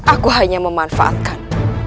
aku hanya memanfaatkan